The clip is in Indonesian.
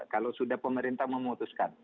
kalau sudah pemerintah memutuskan